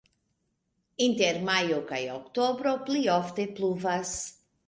Inter majo kaj oktobro pli ofte pluvas.